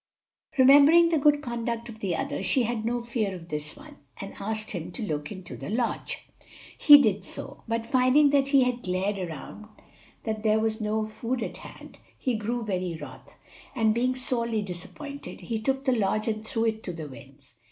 Remembering the good conduct of the other, she had no fear of this one, and asked him to look into the lodge. He did so; but finding after he had glared around that there was no food at hand, he grew very wroth, and being sorely disappointed, he took the lodge and threw it to the winds.